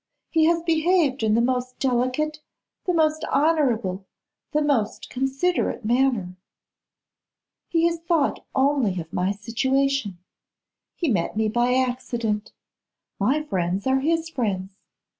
He has behaved in the most delicate, the most honourable, the most considerate manner. He has thought only of my situation. He met me by accident. My friends are his friends.